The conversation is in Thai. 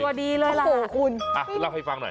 ดีเลยล่ะโอ้โหคุณอ่ะเล่าให้ฟังหน่อย